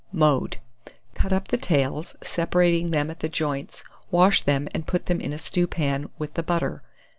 Mode. Cut up the tails, separating them at the joints; wash them, and put them in a stewpan, with the butter.